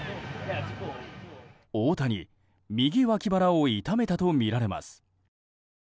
大谷、右脇腹を痛めたとみられます。